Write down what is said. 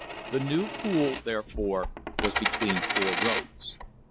The new pool, therefore, was between four roads.